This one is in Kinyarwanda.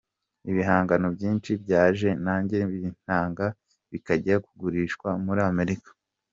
Ibihangano byinshi byanjye nagiye mbitanga bikajya kugurishwa muri Amerika.